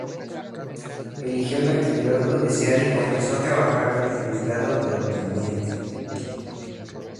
Eligió la actividad judicial y comenzó a trabajar en el juzgado de Onteniente.